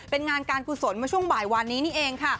เป็นงานการผู้โสดมาช่วงบ่ายวันนี้นี่เอง